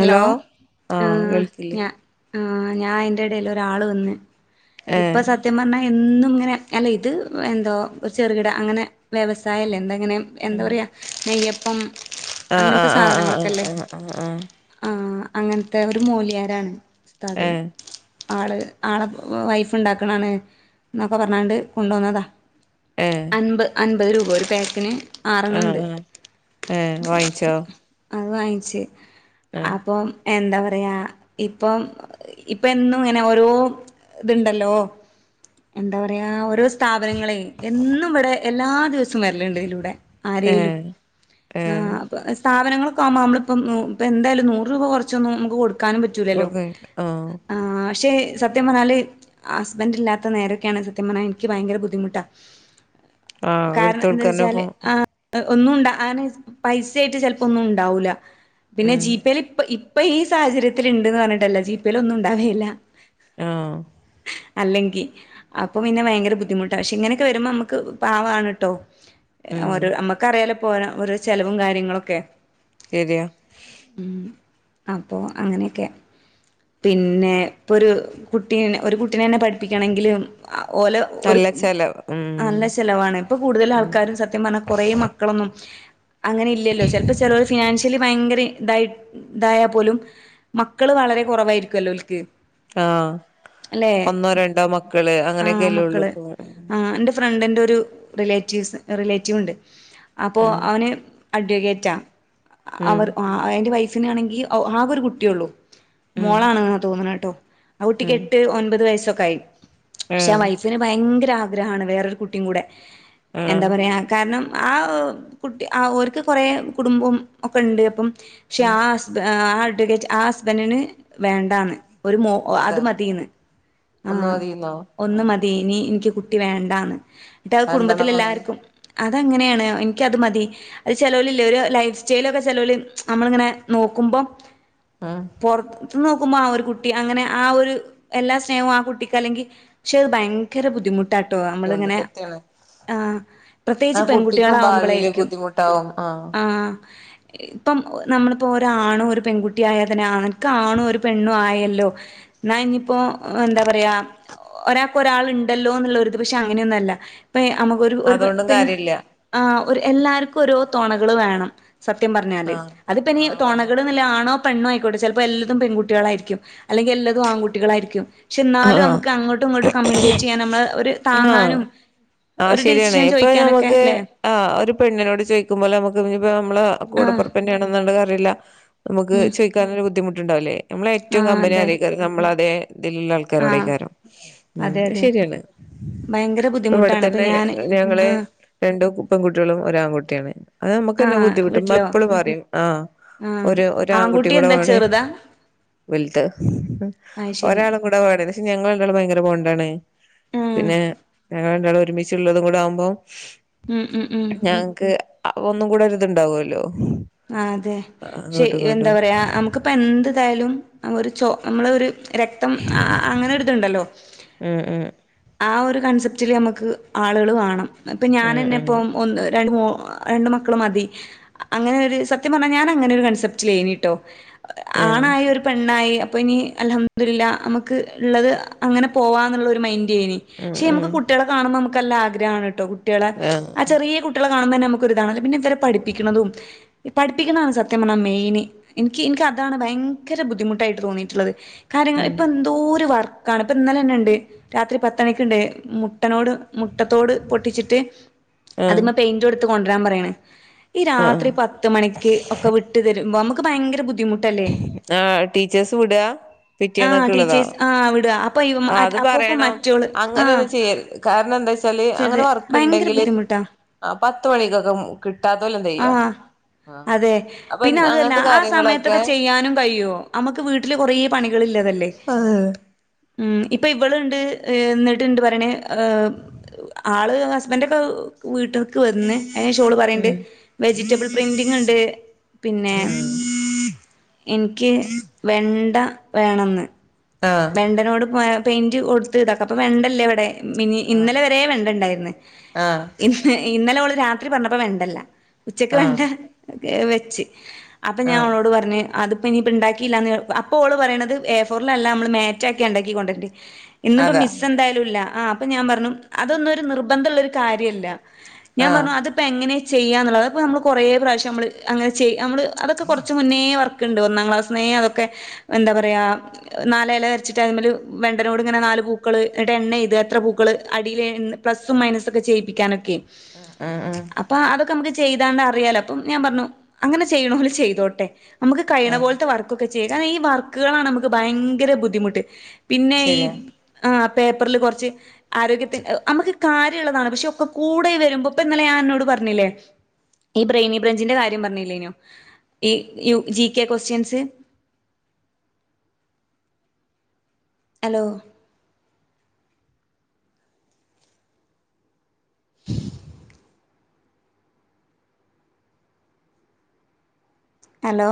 Hello ആഹ് ഞാ ആഹ് ഞാഅയിൻ്റെടയല് ഒരാള് വന്ന് ഇപ്പൊ ഏഹ് സ സത്യം പറഞ്ഞാൽ എന്നും ഇങ്ങനെ അല്ല ഇത് എന്തോ ചെറുകിട അങ്ങനെ വ്യവസായല്ലേ എന്താങ്ങനെ എന്താ പറയാ നെയ്യപ്പം ആഹ ആഹ ആഹ ആഹ ആഹ ആഹ ആഹ ആഹ ആ അങ്ങനത്തെ ഒരു മൂലിയാരാണ് ഉസ്താദ്‌ ഏഹ് ആള് ആളെ വൈഫ് ഉണ്ടാക്കണാണ് എന്നൊക്കെ പറഞ്ഞാണ്ട് കൊണ്ട് വന്നതാണ് ഏ അമ്പത് രൂപ ഒരു പാക്കിൽ ആഹ് ആറെണ്ണണ്ട് ആഹ് ഏഹ് വാങ്ങിച്ചോ അത് വാങ്ങിച്ചേ ആഹ അപ്പം എന്താ പറയാ ഇപ്പം ഇപ്പൊ എന്നും ഇങ്ങനെ ഓരോ ഇത്ണ്ടല്ലോ എന്താ പറയാ ഓരോ സ്ഥാപനങ്ങളെ എന്നും ഇവിടെ എല്ലാ ദിവസവും വരലിണ്ടിതിലൂടെ ആരേലും ഏഹ് ഏഹ് സ്ഥാപനങ്ങളൊക്കെ ആകുമ്പോ നമ്മളിപ്പം ഇപ്പ എന്തായാലും നൂറു രൂപ കുറച്ചൊന്നും നുക്ക് കൊടുക്ക ക്കാനും പറ്റൂലല്ലോ കൊടുക്കാനില്ല ആഹ് പക്ഷെ സത്യം പറഞ്ഞാൽ ഹസ്ബൻ്ല്ലാത്ത നേരൊക്കെയാണെങ്കിൽ സത്യം പറഞ്ഞാൽ എനിക്ക് ഭയങ്കര ബുദ്ധിമുട്ടാണ് ആഹ് എടുത്ത് കാരണം എന്താ കൊടുക്കന്നെ വെച്ചാല് ഫോൺ ആഹ ഒന്നും അങ്ങനെ പൈസ ആയിട്ട് ചിലപ്പോ ഒന്നും ഉണ്ടാവൂല പിന്നെ ഉം ജി പെ ഇപ്പ ഇപ്പൊ ഈ സാഹചര്യത്തില്ണ്ടന്ന് പറഞ്ഞിട്ടല്ല ജീപ്പേൽ ഒന്നും ഉണ്ടാവലില്ല ആഹ അല്ലെങ്കി അപ്പം പിന്നെ ഭയങ്കര ബുദ്ധിമുട്ടാണ് പക്ഷെ ഇങ്ങനെയൊക്കെ വരുമ്പോ നമുക്ക് പാവാണ്‌ടോ ഉം ഓരോ നമ്മക്കറിയാലോ ഇപ്പൊ ഓരോ ചിലവും കാര്യങ്ങളൊക്കെ ശരിയാ ഉം അപ്പൊ അങ്ങനെയൊക്കെ പിന്നെ ഇപ്പോൾ ഒരു കുട്ടീ ഒരു കുട്ടീനെ തന്നെ പഠിപ്പിക്കണമെങ്കിലും ഓലോ നല്ല ചെലവ നല്ല ചെലവാണ് ഇപ്പൊ കൂടുതൽ ആൾക്കാരും സത്യം പറഞ്ഞാൽ കുറെ മക്കളൊന്നും അങ്ങനെ ഇല്ലല്ലോ ചിലപ്പോൾ ചിലർ ഫിനാൻഷ്യലി ഭയങ്കര ഇതായി ഇതായാൽ പോലും മക്കള് വളരെ കുറവായിരിക്കുമല്ലോ ഓര്ക്ക് ആഹ ഒന്നോ രണ്ടോ മക്കള് അങ്ങനെയൊക്കെല്ലേ ഉള്ളൂ ഇപ്പൊ ആഹ എൻ്റെ ഫ്രണ്ടിന്റെ ഒരു റിലേറ്റീവ്സ് റിലേറ്റീവ് ഉണ്ട് അപ്പോൾ ഉം അവന് അഡ്വക്കേറ്റാ ഉം അവർ അവന്റെ വൈഫിനാണെങ്കിൽ ആകെ ഒരു കുട്ടിയുള്ളു ഉം മോളാണ്ന്നാ തോന്നുന്നത് കേട്ടോ ആ കുട്ടിക്ക് ഉം എട്ട് ഒൻപത് വയസ്സൊക്കെ ആയി പക്ഷെ ആ ആഹ് വൈഫിന് ഭയങ്കര ആഗ്രഹമാണ് വേറൊരു കുട്ടിയും കൂടെ എന്താ ആഹ് പറയുക കാരണം ആ കുട്ടി ആ ഓർക്ക് കുറേ കുടുംബം ഒക്കെ ഉണ്ട് അപ്പം പക്ഷെ ഉം ആ ആ അഡ്വക്കേറ്റ് ആ ഹസ്ബൻഡിന് വേണ്ടാന്ന് ഒരു മോ അത് അതെ മതീന്ന് ആ ഒന്ന് മതിന്നോ ഒന്ന് ആഹ് മതി ഇനി എനിക്ക് കുട്ടി വേണ്ടാന്ന് എന്നിട്ട് ആ കുടുംബത്തില് അതെന്താണാവോ അങ്ങനെ എല്ലാവർക്കും അതങ്ങനെയാണ് എനിക്കത് മതി അത് ചെലോലില്ലേ ഒരു ലൈഫ് സ്റ്റൈലൊക്കെ ചെലോല് നമ്മളിങ്ങനെ നോക്കുമ്പോൾ ഉം പുറത്ത് നിന്ന് നോക്കുമ്പോ ആ ഒരു കുട്ടി അങ്ങനെ ആ ഒരു എല്ലാ സ്നേഹവും ആ കുട്ടിക്ക് അല്ലെങ്കിൽ പക്ഷെ അത് ഭയങ്കര ബുദ്ധിമുട്ട് ട്ടാട്ടോ ബുദ്ധിമുട്ട് നമ്മളിങ്ങനെ സത്യാണ് ആ പ്രത്യേകിച്ച് കുട്ടിക്കും ഭാവിയില് പെൺകുട്ടികളാവുമ്പോളായിരിക്കും ബുദ്ധിമുട്ടാവും ട്ടാവും ആ ആഹ് ഇപ്പം നമ്മളിപ്പോ ഒരാണും ഒരു പെൺകുട്ടിയും ആയാ തന്നെ അനക്ക് ആണും ഒരു പെണ്ണും ആയല്ലോ എന്നാ ഇനിയിപ്പോൾ എന്താ പറയുക ഒരാൾക്ക് ഒരാൾ ഉണ്ടല്ലോ എന്നുള്ളൊരു ഇത് പക്ഷെ അങ്ങനെയൊന്നും അല്ല ഇപ്പ നമുക്കൊരു അതുകൊണ്ടും കാര്യല്ല ആ ഒരു എല്ലാർക്കും ഓരോ തൊണകള് വേണം സത്യം പറഞ്ഞാല് ആഹ് അതിപ്പനി ആഹ് വേണം തുണകൾ എന്നുള്ളത് ആണോ പെണ്ണോ ആയിക്കോട്ടെ ചിലപ്പോ എല്ലതും പെൺകുട്ടികളായിരിക്കും അല്ലെങ്കി എല്ലാതും ആൺകുട്ടികളായിരിക്കും പക്ഷെ എന്നാലും ആഹ് നമുക്ക് അങ്ങോട്ടും ഇങ്ങോും കമ്മ്യൂണിക്കേറ്റ് ചെയ്യൻ നമ്മൾ ഒരു, ആഹ് താങ്ങാനും ഒരു ഡിസിഷൻ ചോദിക്കാനൊക്കെ അല്ലെ, ആഒരു പെണ്ണിനോട് ചോദിക്കുമ്പോലെ നമുക്ക് ഇനിപ്പ നമ്മള് ആഹ് കൂടപ്പൊറപ്പ്‌ തന്നെയാണെന്നറിയില്ല നമുക്ക് ഉം ചോദിക്കാനൊരു ബുദ്ധി മുട്ടുണ്ടാവില്ലേ നമ്മളെ ഏറ്റവും ആഹ് കമ്പനി അതെ ആരായിക്കാറ് നമ്മളതെ ഇതിലുള്ള ആഹ് ആൾക്കാരോടയ്കാരം ഉ അതെ അത് അതെ ശെരിയാണ് ഭയങ്കര ഇപ്പ ബുദ്ധിമുട്ടാണ് ഇപ്പൊ ഇവിടെത്തന്നെ ഞാന് ഞങ്ങളെ ആഹ് രണ്ടു കു പെൺകുട്ടികളും ഒര് ആൺകുട്ടിയാണ് അത് നമ്മുക്ക്ന്നെ ആഹ് ബുദ്ധിമുട്ടും മ്മ വീട്ടിലോ എപ്പളും പറയും ആ ആഹ് ഒരു ഒരു ആൺകുട്ടി കൂടെ എന്താ വേണേ ചെറുതാ വിൽത്തെ അയ് ശരി ഒരാളും കൂടെ വേണരുന്നു പക്ഷെ ഞങ്ങള് രണ്ടാളും ഭയങ്കര പോണ്ടാണ്, ഉം പിന്നെ ഞങ്ങൾ രണ്ടാളും ഒരുമിച്ചുള്ളതും കൂടെ ആവുമ്പോം ഉം ഉം ഉം ഞങ്ങക്ക് ഒന്നും കൂടെ ഒര്ത്ണ്ടാവുല്ലോ ആഹ് അതെക്ഷെ എന്താ പറയാ നമുക്കിപ്പ എന്ത്തായാലും ഒരു ചൊ നമ്മള ഒരു, രക്തം അങ്ങനൊരിതുണ്ടല്ലോ ഉം ഉം ആ ഒരു കൺസെപ്റ്റില് നമുക്ക് ആളുകൾ വാണം ഇപ്പം ഞാൻന്നെ ഉം ഇപ്പം ഒന്ന് രണ്ട് മോ രണ്ട് മക്കള് മതി അങ്ങനെ ഒരു സത്യം പറഞ്ഞാൽ ഞാൻ അങ്ങനെ ഒരു കൺസെപ്റ്റ് ലേനീട്ടോ ആണായ ഒരു പെണ്ണായി അപ്പോ ഇനി അൽഹംദിരില്ല നമുക്ക് ഉള്ളത് അങ്ങനെ പോവാ എന്നുള്ള ഒരു മൈൻഡായ്നി പക്ഷെ ഉം നമുക്ക് കുട്ടികളെ കാണുമ്പോൾ നമുക്ക്നല്ലാ ആഗ്രഹമാണ് കേട്ടോ കുട്ടികളെ ആഹ് ഉം ആ ഉം ചെറിയ, കുട്ടികെളെ കാണുംപ തന്നെ നമുക്കൊരുതാണല്ല പിന്നെ ഇവരെ പഠിപ്പിക്കുന്നതും പിപ്പിക്കുന്നതാണ് സത്യ പറഞ്ഞാൽ മെയിൻ ഇനിക്ക് ഇനിക്ക് അതാണ് ഭയങ്കര ബുദ്ധിമുട്ടായിട്ട് തോന്നിയിട്ടുള്ളത്, ആഹ് കാര്യങ്ങൾ ഉം ഇപ്പോ എന്തോരു വർക്കാണ് ഇപ്പോം ഇന്നലെ തന്നെ ഉണ്ട് രാത്രി പത്തണിക്ക്ണ്ട് മുട്ടനോട് മുട്ടത്തോട് പൊട്ടിച്ചിട്ട് അതിമ്മെ പെയി ഇ എടുത്ത് കൊണ്ടുവരാൻ പറയണ് ഈ ആഹ് രാത്രി ആഹ് പത്ത് മണിക്ക് ഒക്കെ വി രും നമുക്ക് ഭയര ബുദ്ധിമു അല്ലെ ആഹ് ടീച്ചേഴ്സ് വിടാ ആഹ് പിറ്റേന്നൊക്കെ ടീച്ചേർസ് ആഹ് വ്ടാ പ്പയ് മ അപ്പൊ ണം അങ്ങനെയൊന്നും ചെയ്യര് ത് കാരണം എന്താ വച്ചാല് അങ്ങനെ ചെറുത് വർക്ക് ഭയങ്കര ഉണ്ടെങ്കില് ബുദ്ധിമുട്ടാ ആ പത്ത് മണിക്കൊക്കെ കിട്ടാതോൽ എന്താ ചെയ്യ ആഹ് അതെ പിന്നെ അതല്ല ആ കാര്യങ്ങളൊക്കെ സമയത്തൊക്കെ ചെയ്യാനും കഴിയോ നമുക്ക് വീട്ടില് കുറെ പണികള്ള്ളതല്ലേ ആഹ് ഉം ഇപ്പൊ ഇവളുണ്ട് എന്നിട്ട്ണ്ട് പറണേ ഏ ആള് ഹസ്ബന്റ് ഒക്കെ വീട്ടിൽക്ക് വന്ന് അതിനേഷോള് പറയണ്ട് വെജിറ്റബിൾ പ്രിന്റിങ് ണ്ട് പിന്നെ, എനിക്ക് വെണ്ട വേണംന്ന്, ആഹ്, വെണ്ടനോട് പെയിന്റ് കൊടുത്ത് ഇതാക്കും അപ്പോൾ വെണ്ടല്ല വിടെ, ആഹ് ഇന്നലെ വരെ വേണ്ടണ്ടായിര്ന്ന് ആഹ് ഇന്നലെ ഓള് രാത്രി പറഞ്ഞപ്പൊ വെണ്ടല്ല ഉച്ചക്ക് ആഹ് വെണ്ട വെച്ച്, അപ്പൊ ഞാൻ ആഹ് ഓളോട് പറഞ്ഞ് അത്പ്പൊ ഇനിപ്പൊ ഇണ്ടാക്കീല്ലാന്ന് അപ്പൊ ഓള് പറയണത് എ ഫോറിലല്ല നമ്മള്, മേറ്റാക്കിണ്ടാക്കി കൊണ്ടോരണ്ടി, ഇന്ന്പ്പോ അതാ മിസ് എന്തായാലുംല്ല, അപ്പൊ ഞാൻ പറഞ്ഞു അതൊന്നും ഒരു നിർബന്ധള്ള ഒരു കാര്യല്ല ഞാൻ ആഹ് പറഞ്ഞു അത്, ഇപ്പോൾ എങ്ങനെ ചെയ്യാന്നുള്ളത്പ്പോൾ നമ്മള് കുറേ പ്രാവശ്യം നമ്മൾ അങ്ങനെ ചെയ്യ നമ്മൾ അതൊക്കെ കുറച്ച് മുന്നേ വർക്ക്, ണ്ട് ഒന്നാം ക്ലാസ്ന്നേ അതൊക്കെ എന്താ പറയാ, നാല് എല വരച്ചിട്ട് അതിമ്മൽ വെണ്ടേനോട് ഇങ്ങനെ നാല് പൂക്കള് എന്നിട്ട് എണ്ണ എയ്ത എത്ര പൂക്കൾ, അതിലെ പ്ലസ്സും മൈനസും ഒക്കെ ചെയ്യിപ്പിക്കാനൊക്കെ, ആഹ് ആ്, അപ്പൊ അതൊക്കെ നമുക്ക് ചെയ്താണ്ട് അറിയാലൊ അപ്പം ഞാൻ പറഞ്ഞു അങ്ങനെ ചെയ്ണോല് ചെയ്തോട്ടെ, നമുക്ക് കഴിയണ ആഹ് പോലത്തെ വർക്കൊക്കെ ചെയ്യുക ഈ വർക്കുകളാണ് നമുക്ക് ഭയങ്കര ബുദ്ധിമുട്ട്, പിന്നെ ഈ ശരിയാ ആ പേപ്പറിൽ കൊറച്ച് ആരോഗ്യത്തി നമുക്ക്, കാര്യള്ളതാണ്, പക്ഷെ ഒക്കെ കൂടെ വരുമ്പൊ ഇപ്പൊ ഇന്നലെ ഞാൻ നി ന്നോട് പറഞ്ഞില്ലേ? ഈ ബ്രെയിനി ബ്രാഞ്ചിന്റെ കാര്യം പറഞ്ഞില്ലേനു ഈ യ G K questions hello hello